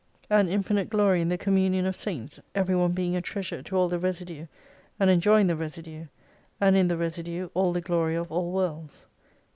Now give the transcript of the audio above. An infinite glory in the communion of Saints, every one being a treasure to all the residue and enjoying the residue, and in the residue all the glory of all worlds.